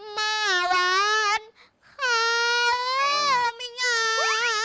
มาวานข้อมิงาน